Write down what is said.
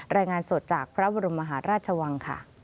รายงานสดจากพระบรมมหาราชวังค่ะ